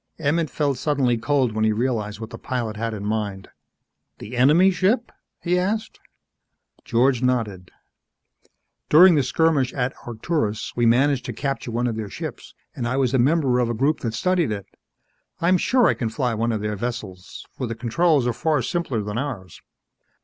Emmett felt suddenly cold when he realized what the pilot had in mind. "The enemy ship?" he asked. George nodded. "During the skirmish at Arcturus, we managed to capture one of their ships and I was a member of a group that studied it. I'm sure I can fly one of their vessels, for the controls are far simpler than ours.